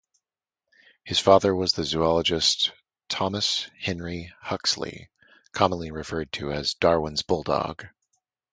His father was the zoologist Thomas Henry Huxley, commonly referred to as 'Darwin's bulldog'.